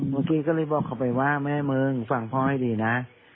เมื่อกี้ก็เลยบอกเขาไปว่าแม่มึงฟังพ่อให้ดีนะ